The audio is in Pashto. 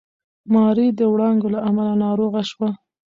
ماري د وړانګو له امله ناروغه شوه.